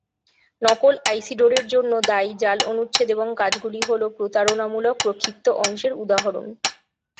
নকল-আইসিডোরের জন্য দায়ী জাল অনুচ্ছেদ এবং কাজগুলি হল প্রতারণামূলক প্রক্ষিপ্ত অংশের উদাহরণ।